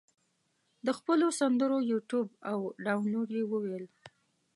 د خپلو سندرو یوټیوب او دانلود یې وویل.